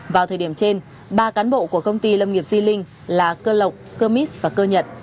vào thời điểm trên ba cán bộ của công ty lâm nghiệp di linh là cơ lộc cơ mít và cơ nhật